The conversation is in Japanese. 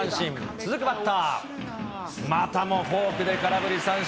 続くバッター、またもフォークで空振り三振。